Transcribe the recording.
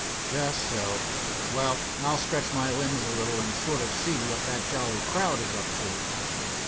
"Just so. Well, I'll stretch my limbs a little and sort of see what that jolly crowd is up to."